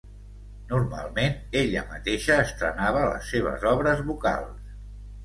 Normalment ella mateixa estrenava les seves obres vocals.